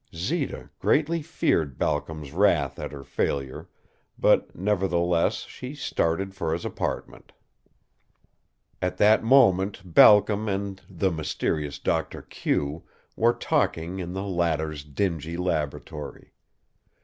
Zita greatly feared Balcom's wrath at her failure, but, nevertheless, she started for his apartment. At that moment Balcom and the mysterious Doctor Q were talking in the latter's dingy laboratory.